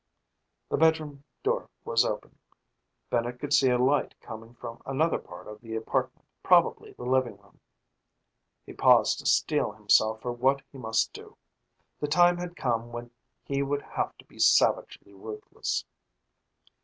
The bedroom door was open. Bennett could see a light coming from another part of the apartment probably the living room. He paused to steel himself for what he must do. The time had come when he would have to be savagely ruthless.